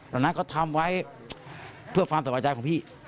ตอนนั้นเขาทำไว้เพื่อความสบายใจของพี่